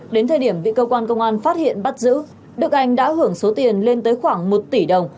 đến thời điểm bị cơ quan công an phát hiện bắt giữ đức anh đã hưởng số tiền lên tới khoảng một tỷ đồng